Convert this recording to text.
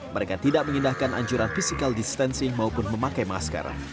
mereka tidak mengindahkan anjuran physical distancing maupun memakai masker